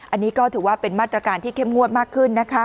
อันนี้ก็ถือว่าเป็นมาตรการที่เข้มงวดมากขึ้นนะคะ